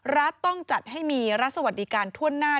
รัฐต้องจัดให้มีรัฐสวัสดิการทั่วหน้า